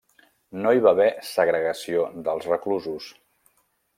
No hi va haver segregació dels reclusos.